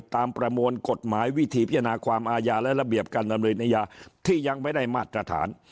ประมวลกฎหมายวิธีพิจารณาความอาญาและระเบียบการดำเนินอาญาที่ยังไม่ได้มาตรฐาน